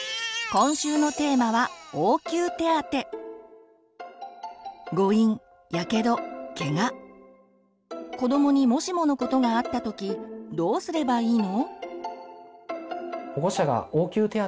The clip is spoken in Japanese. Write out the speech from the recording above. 今週のテーマは子どもにもしものことがあったときどうすればいいの？